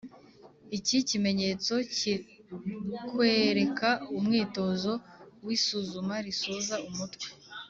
iki kimenyetso kikwereka umwitozo w’isuzuma risoza umutwe